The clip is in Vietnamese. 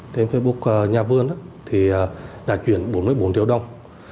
trên facebook nhà vườn thì đã chuyển bốn mươi bốn triệu đồng